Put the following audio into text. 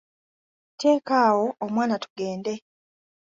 Teeka awo omwana tugende.